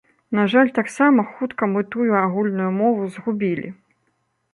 На жаль, таксама хутка мы тую агульную мову згубілі.